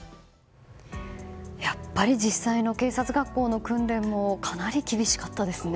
やっぱり実際の警察学校の訓練もかなり厳しかったですね。